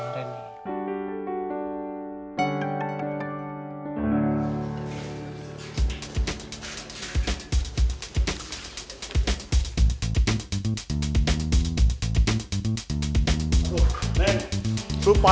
tidur loh ini biar keterdeknaan